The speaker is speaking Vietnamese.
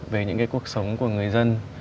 về những cái cuộc sống của người dân